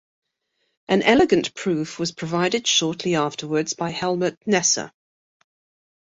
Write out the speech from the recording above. An elegant proof was provided shortly afterwards by Hellmuth Kneser.